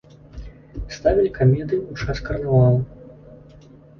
Ставілі камедыі ў час карнавалаў.